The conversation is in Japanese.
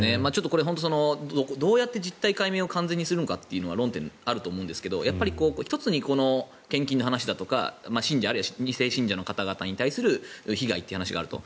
これは本当にどうやって実態解明を完全にするのかというのが論点にあると思うんですが１つにこの献金の話だとかあるいは２世信者の方に対する被害という話があると。